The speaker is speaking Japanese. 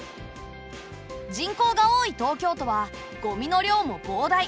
人口が多い東京都はゴミの量も膨大。